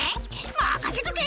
任せとけ」